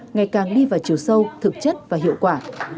ngày càng đi vào chiều sâu thực chất và hiệu quả